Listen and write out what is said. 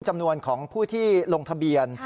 จำนวนของผู้ที่ลงทะเบียน